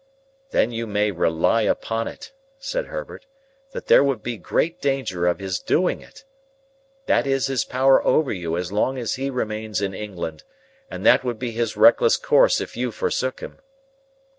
"Then you may rely upon it," said Herbert, "that there would be great danger of his doing it. That is his power over you as long as he remains in England, and that would be his reckless course if you forsook him."